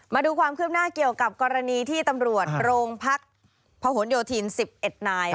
มาดูความคืบหน้าเกี่ยวกับกรณีที่ตำรวจโรงพักพหนโยธิน๑๑นาย